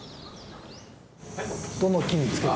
どの木に付けて。